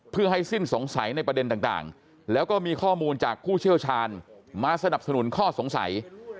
เพื่อให้สิ้นสงสัยในประเด็นต่างแล้วก็มีข้อมูลจากผู้เชี่ยวชาญมาสนับสนุนข้อสงสัย